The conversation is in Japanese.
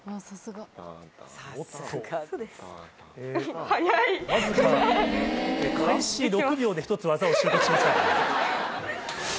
わずか開始６秒で１つ技を習得しました。